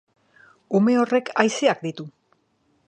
Ume horrek haizeak ditu.